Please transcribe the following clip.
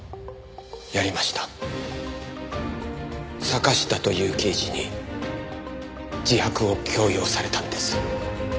坂下という刑事に自白を強要されたんです。